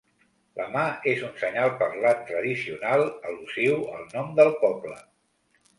La mà és un senyal parlant tradicional, al·lusiu al nom del poble.